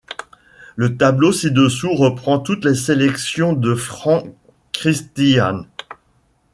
Le tableau ci-dessous reprend toutes les sélections de Frans Christiaens.